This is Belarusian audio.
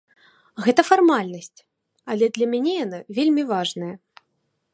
Гэта фармальнасць, але для мяне яна вельмі важная.